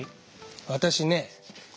私ね